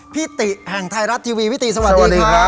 ติแห่งไทยรัฐทีวีพี่ติสวัสดีครับ